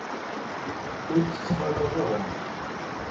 Ur tt-ttxalaḍ ara.